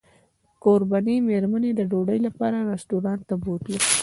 کوربنې مېرمنې د ډوډۍ لپاره رسټورانټ ته بوتلو.